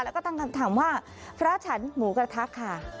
แล้วก็ตั้งคำถามว่าพระฉันหมูกระทะค่ะ